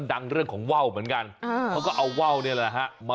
เด็กชอบ